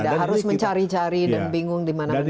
tidak harus mencari cari dan bingung dimana mana